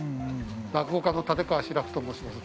落語家の立川志らくと申します。